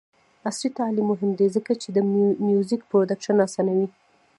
عصري تعلیم مهم دی ځکه چې د میوزیک پروډکشن اسانوي.